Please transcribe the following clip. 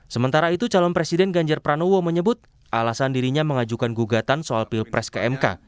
sementara itu calon presiden ganjar pranowo menyebut alasan dirinya mengajukan gugatan soal pilpres ke mk